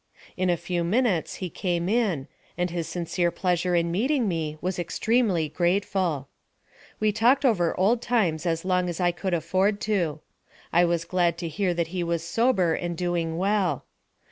In a few minutes he came in, and his sincere pleasure in meeting me was extremely grateful. We talked over old times as long as I could afford to. I was glad to hear that he was sober and doing well.